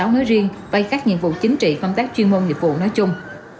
nói riêng vay các nhiệm vụ chính trị công tác chuyên môn nhiệm vụ nói chung